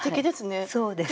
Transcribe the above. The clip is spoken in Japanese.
そうですね。